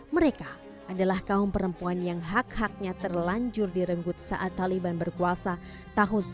mereka adalah kaum perempuan yang hak haknya terlanjur direnggut saat taliban berputus